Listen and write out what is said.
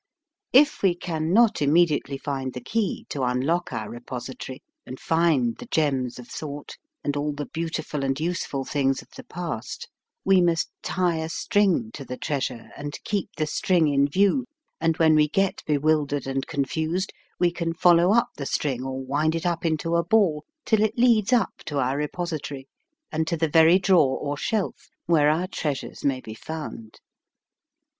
If we can not immediately find the key to un lock our repository and find the gems of thought, and all the beautiful and useful things of the past, we must tie a string to the treasure and keep the string in view, and when we get be wildered and confused we can follow up the string or wind it up into a ball, till it leads up to our repository, and to the very drawer or shelf where our treasures may be found.